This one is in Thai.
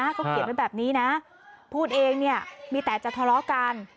เขาเขียนไว้แบบนี้นะพูดเองเนี่ยมีแต่จะทะเลาะกัน